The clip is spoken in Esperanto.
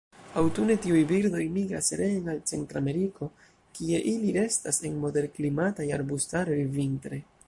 Aŭtune tiuj birdoj migras reen al Centrameriko, kie ili restas en moderklimataj arbustaroj vintre.